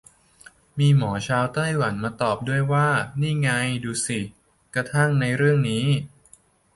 มีหมอชาวไต้หวันมาตอบด้วยว่า นี่ไงดูสิ กระทั่งในเรื่องนี้